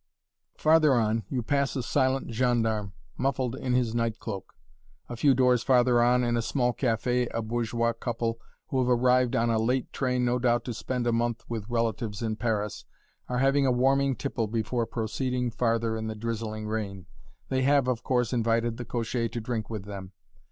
Farther on, you pass a silent gendarme muffled in his night cloak; a few doors farther on in a small café, a bourgeois couple, who have arrived on a late train no doubt to spend a month with relatives in Paris, are having a warming tipple before proceeding farther in the drizzling rain. They have, of course, invited the cocher to drink with them.